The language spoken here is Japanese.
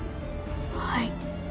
はい。